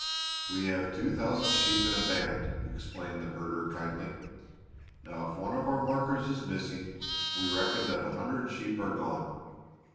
"We have two thousand sheep in a band," explained the herder kindly. "Now if one of our markers is missing we reckon that a hundred sheep are gone.